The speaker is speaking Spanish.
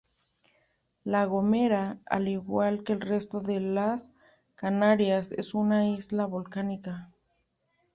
La Gomera, al igual que el resto de las Canarias, es una isla volcánica.